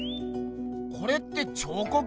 これって彫刻？